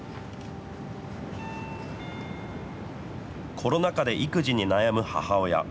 コロナ禍で育児に悩む母親。